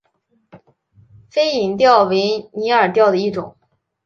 飞蝇钓为拟饵钓的一种。